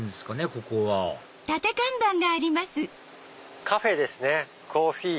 ここはカフェですねコーヒー。